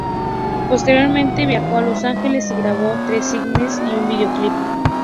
Posteriormente viajó a Los Ángeles y grabó tres singles y un videoclip.